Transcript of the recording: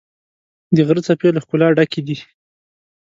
د غره څپې له ښکلا ډکې دي.